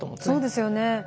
そうですよね。